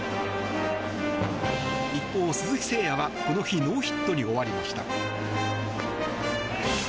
一方、鈴木誠也はこの日ノーヒットに終わりました。